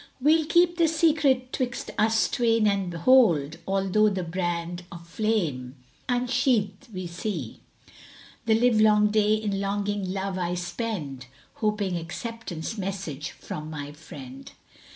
We'll keep the secret 'twixt us twain and hold * Although the brand of blame unsheathed we see. The livelong day in longing love I spend * Hoping acceptance message from my friend."